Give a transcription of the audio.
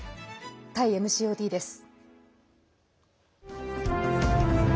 タイＭＣＯＴです。